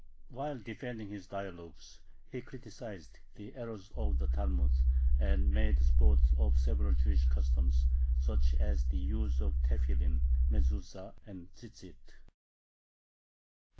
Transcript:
While defending his "Dialogues," he criticized the errors of the Talmud, and made sport of several Jewish customs, such as the use of tefillin, mezuza, and tzitzith.